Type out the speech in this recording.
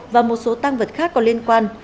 và một số tăng vật khác có liên quan